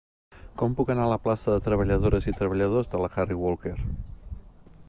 Com puc anar a la plaça de Treballadores i Treballadors de la Harry Walker